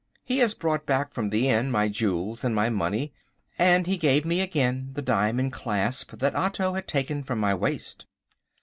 He had brought back from the inn my jewels and my money, and he gave me again the diamond clasp that Otto had taken from my waist.